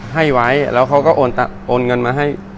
ให้ไว้แล้วเขาก็โอนเงินมาให้